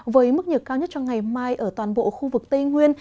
với mức nhiệt cao nhất cho ngày mai ở toàn bộ khu vực tây nguyên